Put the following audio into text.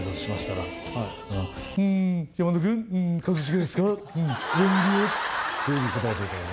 というふうに答えていただき。